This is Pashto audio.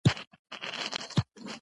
شخصي واټن د کورنۍ او ملګرو ترمنځ وي.